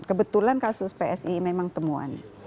kebetulan kasus psi memang temuan